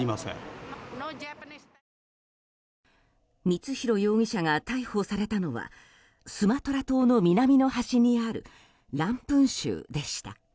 光弘容疑者が逮捕されたのはスマトラ島の南の端にあるランプン州でした。